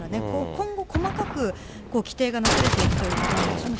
今後、細かく規定がなされていくということなんでしょうかね。